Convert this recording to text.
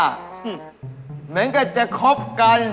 เหมือนกับจะคบกัน